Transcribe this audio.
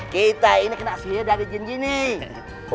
kita ini kena sihir dari jin jin nih